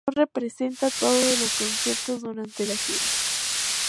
No representa todos los conciertos durante la gira.